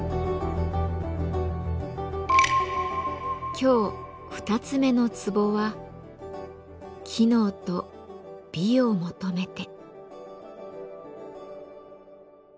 今日２つ目の壺は「機能と美を求めて」。